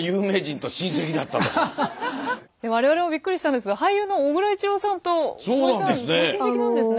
我々もびっくりしたんですが俳優の小倉一郎さんと森さんご親戚なんですね。